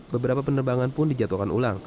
beberapa penerbangan pun dijatuhkan ulang